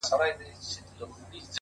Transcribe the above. o مسافر ليونى؛